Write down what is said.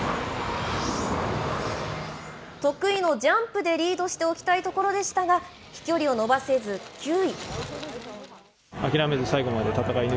得意のジャンプでリードしておきたいところでしたが、飛距離を伸ばせず、９位。